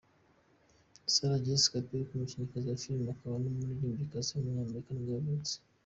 Sarah Jessica Parker, umukinnyikazi wa filime akaba n’umuririmbyikazi w’umunyamerika nibwo yavutse.